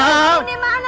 kamu dimana nak